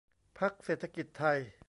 พรรคเศรษฐกิจไทย